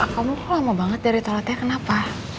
kamu kok lama banget dari toiletnya kenapa